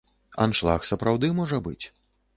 Аншлаг сапраўды можа быць.